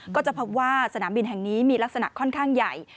ก็จะพบว่าสนามบินแห่งนี้มีลักษณะค่อนข้างใหญ่